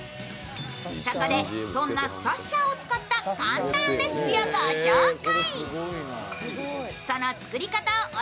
そこでそんなスタッシャーを使った簡単レシピをご紹介。